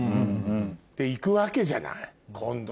で行くわけじゃない今度